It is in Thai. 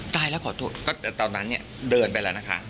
ตายแล้วขอโทษก็แต่ตอนนั้นเนี่ยเดินไปแล้วนะคะ